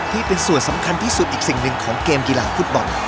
ที่เป็นส่วนสำคัญที่สุดอีกสิ่งหนึ่งของเกมกีฬาฟุตบอล